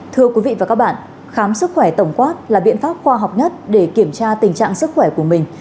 thưa quý vị và các bạn khám sức khỏe tổng quát là biện pháp khoa học nhất để kiểm tra tình trạng sức khỏe của mình